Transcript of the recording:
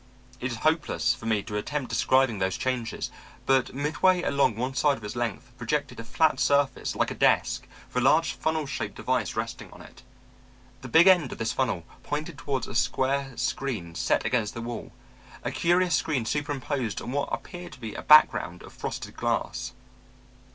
It is hopeless for me to attempt describing those changes, but midway along one side of its length projected a flat surface like a desk, with a large funnel shaped device resting on it. The big end of this funnel pointed towards a square screen set against the wall, a curious screen superimposed on what appeared to be a background of frosted glass.